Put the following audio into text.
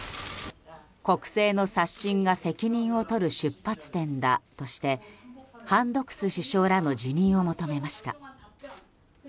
国政の刷新が責任を取る出発点だとしてハン・ドクス首相らの辞任を求めました。